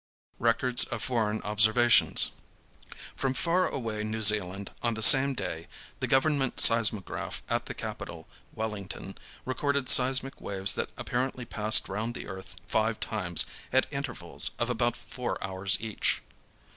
RECORDS OF FOREIGN OBSERVATIONS. From far away New Zealand, on the same date, the government seismograph at the capital, Wellington, recorded seismic waves that apparently passed round the earth five times at intervals of about four hours each.